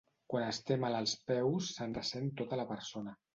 Quan es té mal als peus se'n ressent tota la persona.